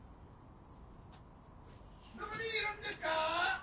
どこにいるんですか？